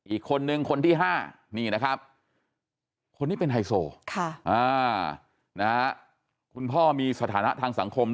อีกคนนึงคนที่๕นี่นะครับคนนี้เป็นไฮโซคุณพ่อมีสถานะทางสังคม